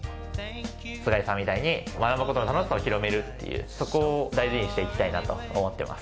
須貝さんみたいに学ぶことの楽しさを広めるっていうそこを大事にして行きたいなと思ってます。